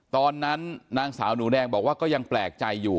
ตอนนั้นนางสาวหนูแดงบอกว่าก็ยังแปลกใจอยู่